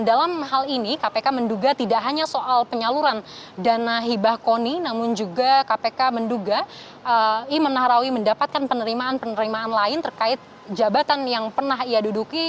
dalam hal ini kpk menduga tidak hanya soal penyaluran dana hibah koni namun juga kpk menduga imam nahrawi mendapatkan penerimaan penerimaan lain terkait jabatan yang pernah ia duduki